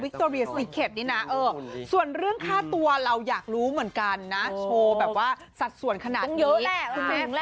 วิคโตเรียสสิเก็ตนี่นะส่วนเรื่องฆ่าตัวเราอยากรู้เหมือนกันนะโชว์แบบว่าสัดส่วนขนาดนี้